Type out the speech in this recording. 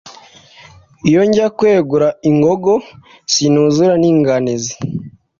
iyo njya kwegura ingogo sinuzura n inganizi